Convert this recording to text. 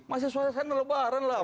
masih suasana lebaran lah